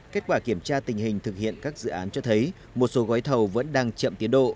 kết quả kiểm tra tình hình thực hiện các dự án cho thấy một số gói thầu vẫn đang chậm tiến độ